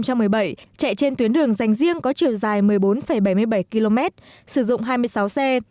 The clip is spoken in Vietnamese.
chạy trên tuyến đường dành riêng có chiều dài một mươi bốn bảy mươi bảy km sử dụng hai mươi sáu xe